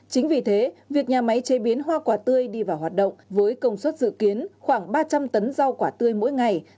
chính vì thế việc nhà máy chế biến hoa quả tươi đi vào hoạt động với công suất dự kiến khoảng ba trăm linh tấn rau quả tươi mỗi ngày